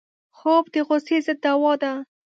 خوب د غصې ضد دوا ده